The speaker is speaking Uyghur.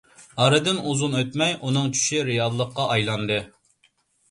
ئارىدىن ئۇزۇن ئۆتمەي، ئۇنىڭ چۈشى رىياللىققا ئايلاندى.